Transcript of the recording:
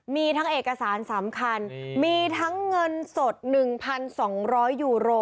มีทั้งเอกสารสำคัญมีทั้งเงินสด๑๒๐๐ยูโร